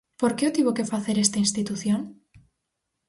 ¿Por que o tivo que facer esta institución?